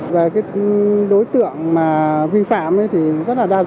và cái đối tượng mà vi phạm thì rất là đa dạng